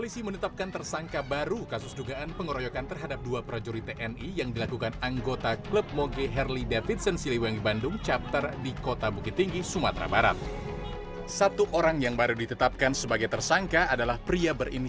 sebelumnya polisi sudah menetapkan empat orang sebagai tersangka dalam kasus ini